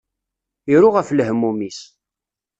Iru ɣef lehmum-is.